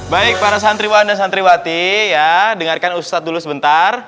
baik para santriwa anda santriwati ya dengarkan ustadz dulu sebentar